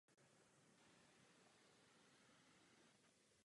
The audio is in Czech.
Postupně se stáčí na jihozápad.